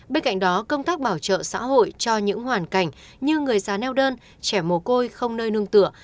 bên cạnh đó công tác bảo trợ xã hội cho những hoàn cảnh như người già neo đơn trẻ mồ côi không nơi nương tựa